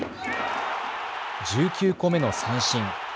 １９個目の三振。